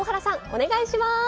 お願いします。